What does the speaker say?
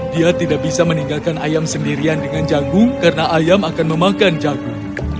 dia tidak bisa meninggalkan ayam sendirian dengan jagung karena ayam akan memakan jagung